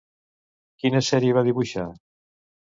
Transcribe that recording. Quina sèrie va dibuixar?